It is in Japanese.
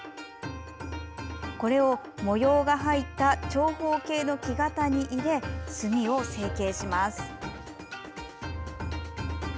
これを、模様が入った長方形の木型に入れ墨を成形します。